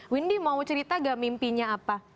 windy mau cerita gak mimpinya apa